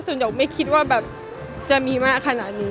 หยกไม่คิดว่าแบบจะมีมากขนาดนี้